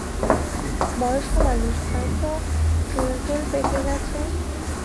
বয়স্ক মানুষ, হয়তো চুলটুল পেকে গেছে।